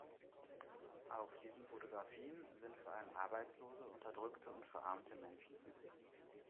Auf diesen Fotografien sind vor allem Arbeitslose, Unterdrückte und verarmte Menschen zu sehen.